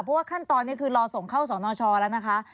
เพราะว่าขั้นตอนนี้คือรอส่งเข้าสนชแล้วนะคะ